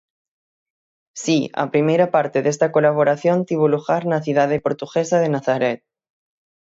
Si, a primeira parte desta colaboración tivo lugar na cidade portuguesa de Nazaret.